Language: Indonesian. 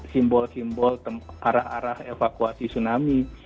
simbol simbol arah arah evakuasi tsunami